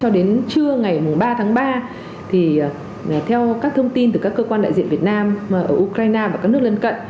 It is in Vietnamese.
cho đến trưa ngày ba tháng ba theo các thông tin từ các cơ quan đại diện việt nam ở ukraine và các nước lân cận